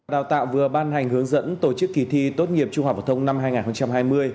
đào tạo vừa ban hành hướng dẫn tổ chức kỳ thi tốt nghiệp trung học phổ thông năm hai nghìn hai mươi